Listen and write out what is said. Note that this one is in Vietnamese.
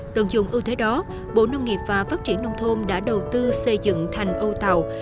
tận dụng ưu thế đó bộ nông nghiệp và phát triển nông thôn đã đầu tư xây dựng thành ô tàu